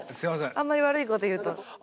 あんまり悪いこと言うと。